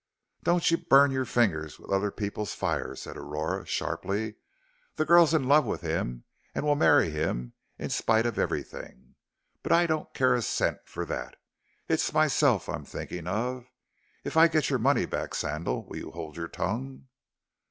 "Don't you burn your fingers with other people's fire," said Aurora, sharply. "This girl's in love with him and will marry him in spite of everything. But I don't care a cent for that. It's myself I'm thinking of. If I get your money back, Sandal, will you hold your tongue?"